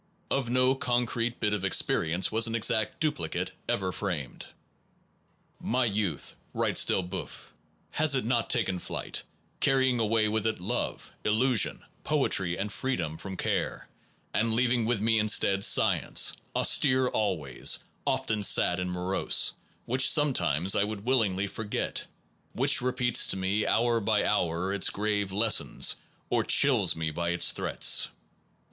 Of no concrete bit of experience was an exact du plicate ever framed. My youth/ writes Del boeuf, has it not taken flight, carrying away with it love, illusion, poetry, and freedom from care, and leaving with me instead science, aus tere always, often sad and morose, which some times I would willingly forget, which repeats to me hour by hour its grave lessons, or chills me by its threats?